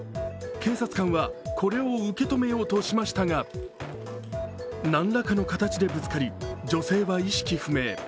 警察官はこれを受け止めようとしましたが何らかの形でぶつかり、女性は意識不明。